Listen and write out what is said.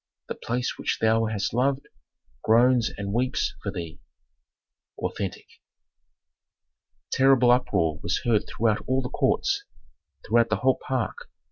The place which thou hast loved groans and weeps for thee!" Authentic. Terrible uproar was heard throughout all the courts, throughout the whole park.